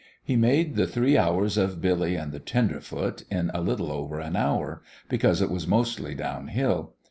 He made the three hours of Billy and the tenderfoot in a little over an hour, because it was mostly down hill.